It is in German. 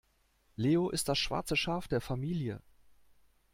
Leo ist das schwarze Schaf der Familie.